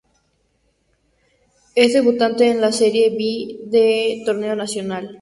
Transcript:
Es debutante en la Serie B del torneo nacional.